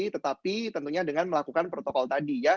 tetapi tentunya dengan melakukan protokol tadi ya